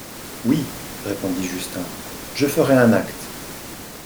Oui, répondit Justin, je ferais un acte.